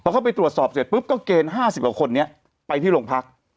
เข้าไปตรวจสอบเสร็จปุ๊บก็เกณฑ์๕๐กว่าคนนี้ไปที่โรงพัก